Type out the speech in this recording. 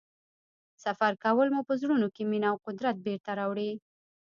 سفر کول مو په ژوند کې مینه او قدرت بېرته راوړي.